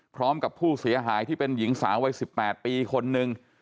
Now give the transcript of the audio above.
พร้อมกับผู้เสียหายที่เป็นหญิงสาววัย๑๘ปีคนนึง